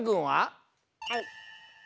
はい！